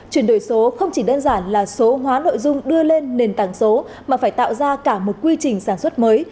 chuyển đổi số không chỉ đơn giản là số hóa nội dung đưa lên nền tảng số mà phải tạo ra cả một quy trình sản xuất mới